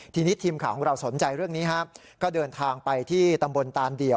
ทีนี้ทีมข่าวของเราสนใจเรื่องนี้ครับก็เดินทางไปที่ตำบลตานเดี่ยว